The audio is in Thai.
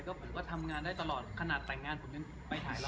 ผมก็ทำงานได้ตลอดขนาดแต่งงานผมยังไปถ่ายเรา